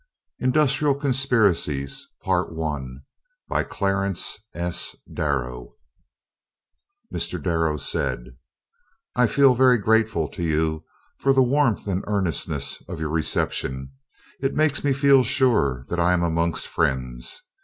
Industrial Conspiracies By CLARENCE S. DARROW Mr. Darrow said: I feel very grateful to you for the warmth and earnestness of your reception. It makes me feel sure that I am amongst friends.